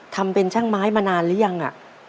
ทำเป็นช่างไม้มานานหรือยัง